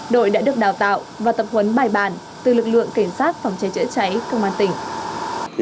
đội đã được đào tạo và tập huấn bài bản từ lực lượng cảnh sát phòng cháy chữa cháy công an tỉnh